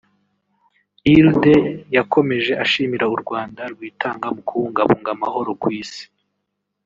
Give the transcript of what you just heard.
Hilde yakomeje ashimira u Rwanda rwitanga mu kubungabunga amahoro ku isi